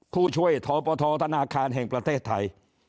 ผู้ช่วยทปทธนาคารแห่งประเทศไทย